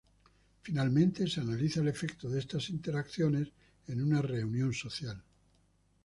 Finalmente, se analiza el efecto de estas interacciones en una reunión social.